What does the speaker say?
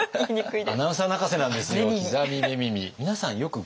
アナウンサー泣かせなんですよ。